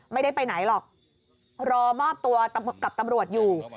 ไม่ได้ไปไหนหรอกรอมอบตัวกับตำรวจอยู่